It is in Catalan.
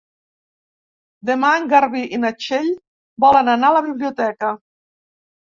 Demà en Garbí i na Txell volen anar a la biblioteca.